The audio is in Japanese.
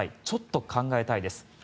ちょっと考えたいです